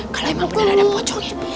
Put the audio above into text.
kalau emang bener ada pocongnya